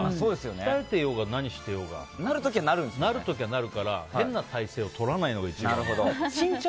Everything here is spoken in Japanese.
鍛えていようが、何していようがなる時はなるから変な体勢をとらないように。